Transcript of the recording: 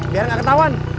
biar gak ketauan